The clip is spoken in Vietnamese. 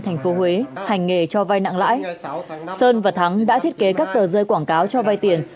thành phố huế hành nghề cho vay nặng lãi sơn và thắng đã thiết kế các tờ rơi quảng cáo cho vay tiền